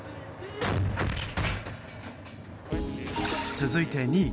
続いて２位。